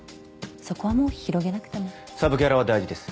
そこはもう広げなくてもサブキャラは大事です